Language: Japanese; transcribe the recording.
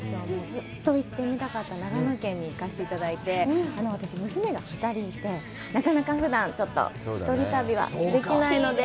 ずっと行ってみたかった長野県に行かせていただいて、私、娘が２人いて、なかなか、ふだんちょっと一人旅はできないので。